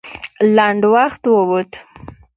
لنډ وخت ووت.